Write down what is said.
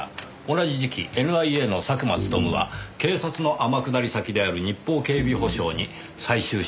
同じ時期ＮＩＡの佐久間勉は警察の天下り先である日邦警備保障に再就職しました。